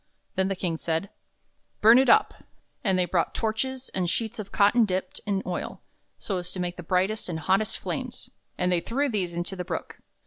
Then the King said: "Bum it up!" And they brought torches, and sheets of cotton dipped in oil, so as to make the brightest and hottest flames, and they threw these into the Brook.